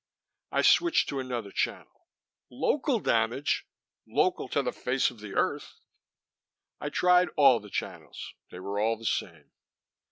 I switched to another channel. Local damage! Local to the face of the Earth! I tried all the channels; they were all the same.